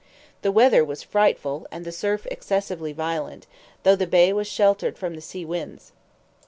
The weather was frightful, and the surf excessively violent, though the bay was sheltered from the sea winds.